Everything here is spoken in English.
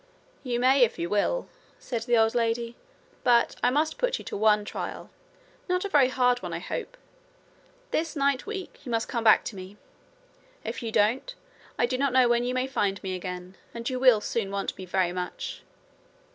'You may if you will,' said the old lady. 'But I must put you to one trial not a very hard one, I hope. This night week you must come back to me. If you don't, I do not know when you may find me again, and you will soon want me very much.'